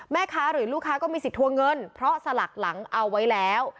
หรือลูกค้าก็มีสิทธิทัวร์เงินเพราะสลักหลังเอาไว้แล้ว